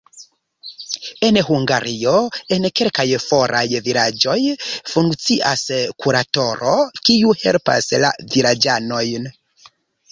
En Hungario en kelkaj foraj vilaĝoj funkcias kuratoro, kiu helpas la vilaĝanojn.